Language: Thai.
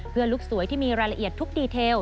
เพื่อลูกสวยที่มีรายละเอียดทุกดีเทล